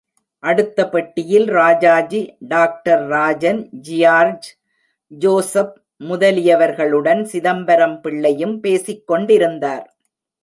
அடுத்த பெட்டியில் Rajaji, doctor Rajan, George Joseph முதலியவர்களுடன் சிதம்பரம் பிள்ளையும் பேசிக் கொண்டிருந்தார்.